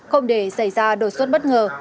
không để xảy ra đột xuất bất ngờ